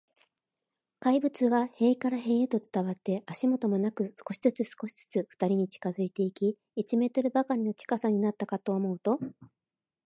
怪物は塀から塀へと伝わって、足音もなく、少しずつ、少しずつ、ふたりに近づいていき、一メートルばかりの近さになったかと思うと、